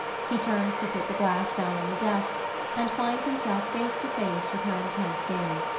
He turns to put the glass down on the desk, and finds himself face to face with her intent gaze].